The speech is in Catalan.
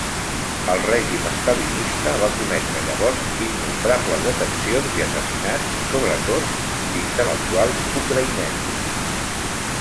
El règim estalinista va cometre llavors innombrables detencions i assassinats, sobretot d'intel·lectuals ucraïnesos.